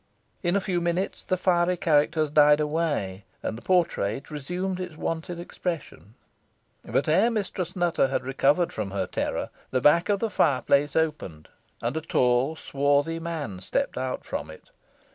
In a few minutes the fiery characters died away, and the portrait resumed its wonted expression; but ere Mistress Nutter had recovered from her terror the back of the fireplace opened, and a tall swarthy man stepped out from it.